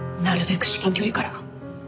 なるべく至近距離から。